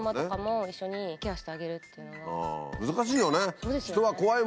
難しいよね。